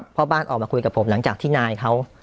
พ่อบ้านออกมาคุยกับผมหลังจากที่นายเขา